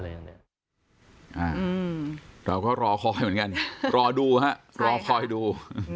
เราก็รอคอยเหมือนกันรอดูฮะรอคอยดู